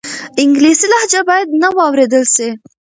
انګلیسي لهجه باید نه واورېدل سي.